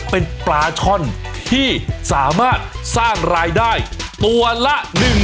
เป็นปลาช่อนที่สามารถสร้างรายได้ตัวละ๑๐๐